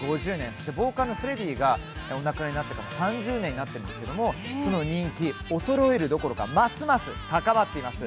そしてボーカルのフレディが亡くなって３０年になりますがその人気は衰えるどころかますます高まっています。